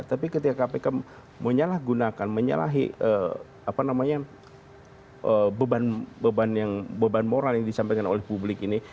tapi ketika kpk menyalahgunakan menyalahi beban moral yang disampaikan oleh publik ini